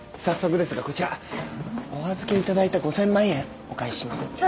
早速ですがこちらお預けいただいた５，０００万円お返しします。